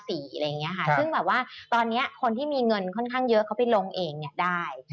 ซึ่งแบบว่าตอนนี้คนที่มีเงินค่อนข้างเยอะเขาไปลงเองได้